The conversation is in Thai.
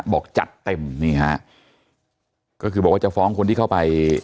บอกจัดเต็มนี่ฮะก็คือบอกว่าจะฟ้องคนที่เข้าไป